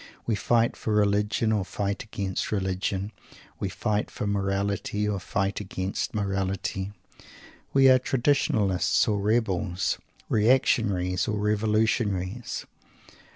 We fight for Religion or fight against Religion. We fight for Morality or fight against Morality. We are Traditionalists or Rebels, Reactionaries or Revolutionaries.